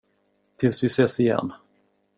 Tills vi ses igen.